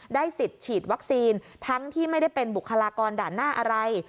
สิทธิ์ฉีดวัคซีนทั้งที่ไม่ได้เป็นบุคลากรด่านหน้าอะไร